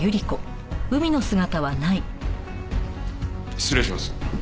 失礼します。